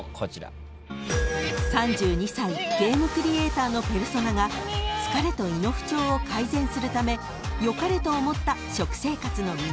［３２歳ゲームクリエイターのペルソナが疲れと胃の不調を改善するため良かれと思った食生活の見直し］